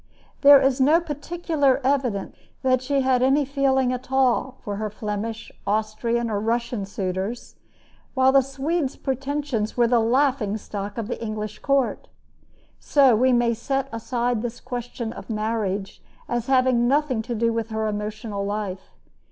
There is no particular evidence that she had any feeling at all for her Flemish, Austrian, or Russian suitors, while the Swede's pretensions were the laughing stock of the English court. So we may set aside this question of marriage as having nothing to do with her emotional life.